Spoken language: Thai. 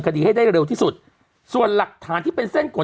คดีให้ได้เร็วที่สุดส่วนหลักฐานที่เป็นเส้นขน